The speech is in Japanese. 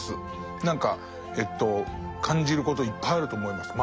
何か感じることいっぱいあると思いますまだまだ。